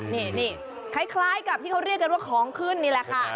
นี่คล้ายกับที่เขาเรียกกันว่าของขึ้นนี่แหละค่ะ